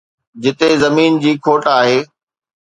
جتي زمين جي کوٽ آهي.